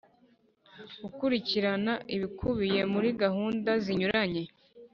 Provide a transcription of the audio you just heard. Gukurikirana ibikubiye muri gahunda zinyuranye